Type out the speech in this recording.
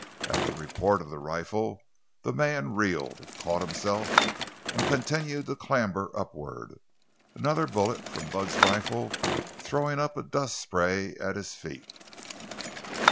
At the report of the rifle the man reeled, caught himself, and continued to clamber upward, another bullet from Bud's rifle throwing up a dust spray at his feet.